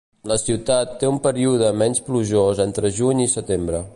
La ciutat té un període menys plujós entre juny i setembre.